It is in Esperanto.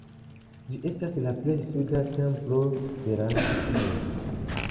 Ĝi estas la plej suda templo de la situo.